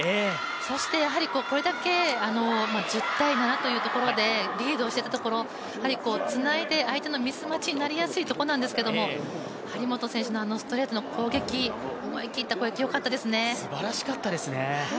そしてこれだけ１０−７というところでリードしていたところ、つないで、相手のミス待ちになりやすいところなんですけど張本選手のあのストレートの攻撃思い切った攻撃、よかったですね。